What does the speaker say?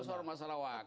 kalau masalah waktu